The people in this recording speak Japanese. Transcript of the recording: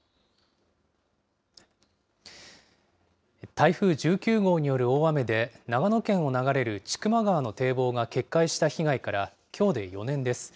台風１９号による大雨で、長野県を流れる千曲川の堤防が決壊した被害から、きょうで４年です。